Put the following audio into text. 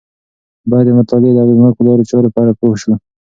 باید د مطالعې د اغیزناکو لارو چارو په اړه پوه شو.